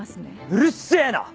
うるせぇな！